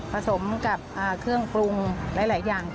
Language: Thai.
สมกับเครื่องปรุงหลายอย่าง